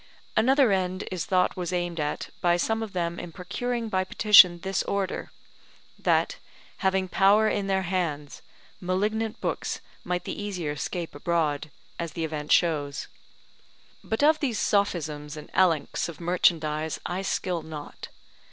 Another end is thought was aimed at by some of them in procuring by petition this Order, that, having power in their hands, malignant books might the easier scape abroad, as the event shows. But of these sophisms and elenchs of merchandise I skill not.